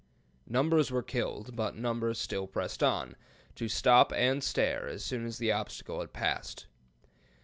Numbers were killed, but numbers still pressed on, to stop and stare as soon as the obstacle had passed.